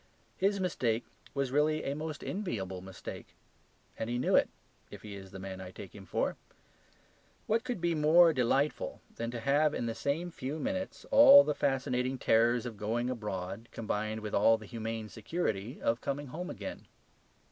His mistake was really a most enviable mistake; and he knew it, if he was the man I take him for. What could be more delightful than to have in the same few minutes all the fascinating terrors of going abroad combined with all the humane security of coming home again?